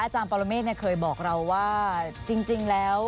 อาจารย์ปรเมฆเนี้ยเคยบอกเราว่าจริงจริงแล้ว